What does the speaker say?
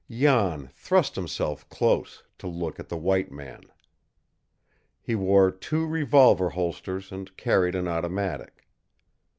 Jan thrust himself close to look at the white man. He wore two revolver holsters and carried an automatic.